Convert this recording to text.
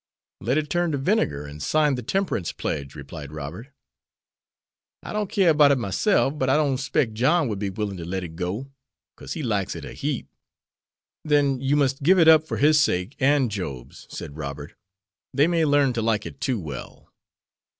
"Let it turn to vinegar, and sign the temperance pledge," replied Robert. "I don't keer 'bout it myself, but I don't 'spect John would be willin' ter let it go, 'cause he likes it a heap." "Then you must give it up for his sake and Job's," said Robert. "They may learn to like it too well."